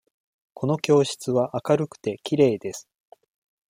この教室は明るくて、きれいです。